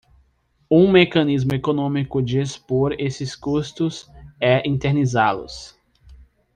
Um mecanismo econômico de expor esses custos é internalizá-los.